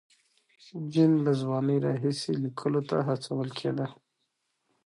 جین له ځوانۍ راهیسې لیکلو ته هڅول کېده.